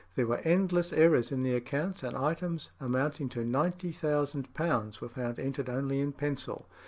There were endless errors in the accounts, and items amounting to £90,000 were found entered only in pencil.